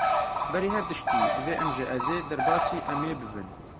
Berî her tiştî, divê em ji "ez"ê derbasî "em" ê bibin.